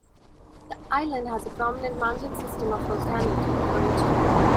The island has a prominent mountain system of volcanic origin.